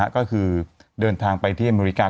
ก็คือเดินทางไปที่อเมริกา